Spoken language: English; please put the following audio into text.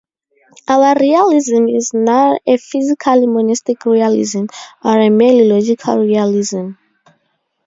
Our realism is not a physically monistic realism, or a merely logical realism.